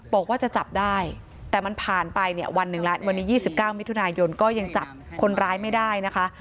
บอกว่าจะจับได้แต่มันผ่านไปเนี่ยวันหนึ่งแล้ววันนี้๒๙มิถุนายนก็ยังจับคนร้ายไม่ได้นะคะ